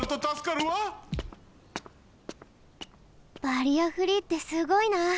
バリアフリーってすごいな。